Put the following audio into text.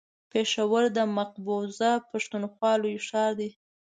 پېښور د مقبوضه پښتونخوا لوی ښار دی.